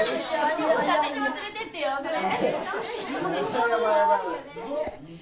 今度私も連れてってよそれ。